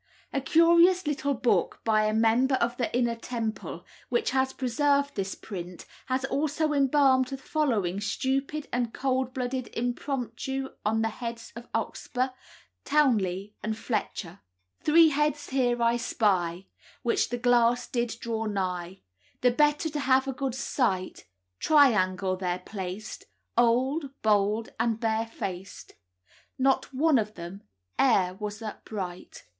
A curious little book "by a member of the Inner Temple," which has preserved this print, has also embalmed the following stupid and cold blooded impromptu on the heads of Oxburgh, Townley, and Fletcher: "Three heads here I spy, Which the glass did draw nigh, The better to have a good sight; Triangle they're placed, Old, bald, and barefaced, Not one of them e'er was upright."